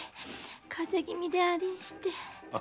風邪気味でありんして。